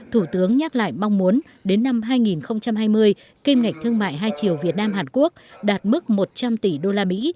thủ tướng nhắc lại mong muốn đến năm hai nghìn hai mươi kim ngạch thương mại hai triệu việt nam hàn quốc đạt mức một trăm linh tỷ usd